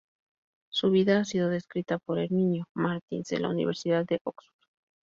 Su vida ha sido descrita por Herminio Martins de la Universidad de Oxford.